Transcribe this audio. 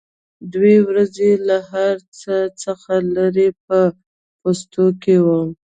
دوه ورځې له هر څه څخه لرې په پوستو کې وم.